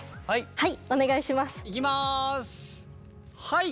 はい。